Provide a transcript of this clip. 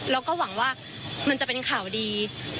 เราก็หวังว่ามันจะเป็นข่าวดี